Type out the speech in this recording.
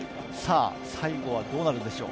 最後はどうなるんでしょう。